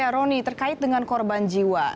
ya roni terkait dengan korban jiwa